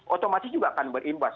otomatis juga akan berimbas